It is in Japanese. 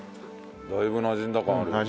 だいぶなじんだ感ある。